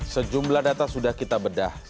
sejumlah data sudah kita bedah